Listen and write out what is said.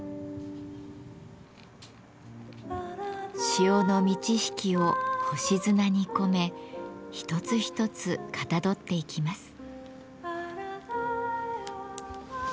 潮の満ち引きを星砂に込め一つ一つかたどっていきます。